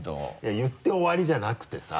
言って終わりじゃなくてさ。